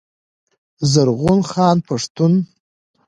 زرغون خان پښتون